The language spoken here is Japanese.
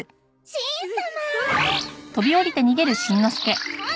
しん様！